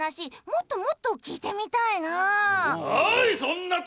もっともっと聞いてみたいなあ！